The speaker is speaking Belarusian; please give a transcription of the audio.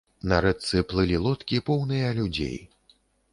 На рэчцы плылі лодкі, поўныя людзей.